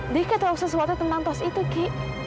dia katakan sesuatu tentang tos itu ki